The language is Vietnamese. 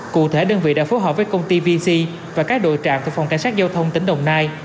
cụ thể đơn vị đã phối hợp với công ty vc và các đội trạm thuộc phòng cảnh sát giao thông tỉnh đồng nai